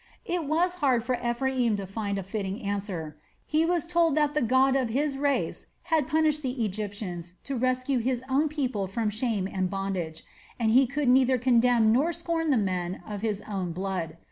It was hard for Ephraim to find a fitting answer; he had been told that the God of his race had punished the Egyptians to rescue his own people from shame and bondage, and he could neither condemn nor scorn the men of his own blood.